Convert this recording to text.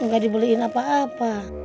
gak dibeliin apa apa